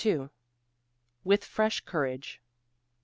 WITH FRESH COURAGE.